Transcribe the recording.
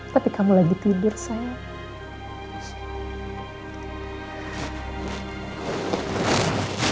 tapi kamu sedang tidur sayang